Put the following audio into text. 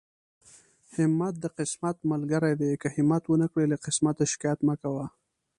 همت د قسمت ملګری دی، که همت ونکړې له قسمت شکايت مکوه.